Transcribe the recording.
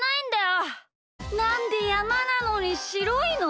なんでやまなのにしろいの？